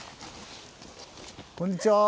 こんにちは。